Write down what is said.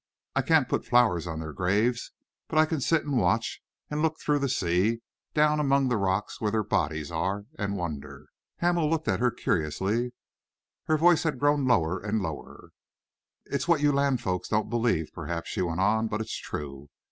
I can't put flowers on their graves, but I can sit and watch and look through the sea, down among the rocks where their bodies are, and wonder." Hamel looked at her curiously. Her voice had grown lower and lower. "It's what you land folks don't believe, perhaps," she went on, "but it's true.